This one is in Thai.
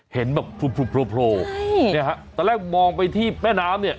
เห็นแบบโผล่โผล่นี่ครับตอนแรกมองไปที่แม่น้ำนี่